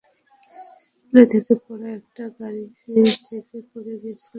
Plane থেকে পড়া একটা গাড়ি থেকে পড়ে গিয়েছিলাম।